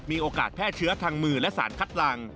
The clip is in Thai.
มีโอกาสแพร่เชื้อทางมือและสารคัดหลัง